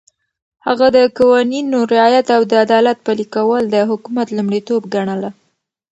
هغه د قوانينو رعایت او د عدالت پلي کول د حکومت لومړيتوب ګڼله.